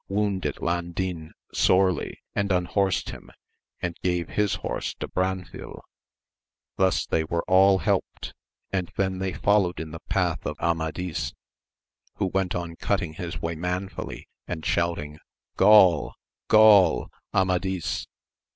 69 wounded Landin sorely, and unhorsed him, and gave his horse to Branfil : thus they were all helped, and then they followed in the path of Amadis, who went on cutting his way manfully, and shouting Gaul ! Gaul ! Amadis